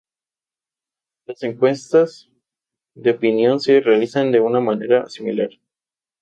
Las encuestas de opinión se realizan de una manera similar.